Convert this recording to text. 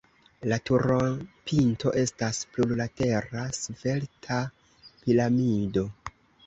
La turopinto estas plurlatera svelta piramido.